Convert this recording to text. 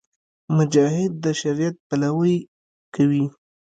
مجاهد د شریعت پلوۍ کوي.